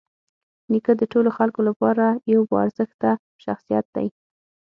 نیکه د ټولو خلکو لپاره یوه باارزښته شخصیت دی.